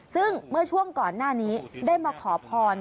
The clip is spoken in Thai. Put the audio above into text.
ซึ่งเมื่อช่วงก่อนหน้านี้ได้มาขอพร